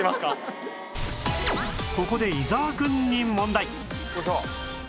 ここで伊沢くんに問題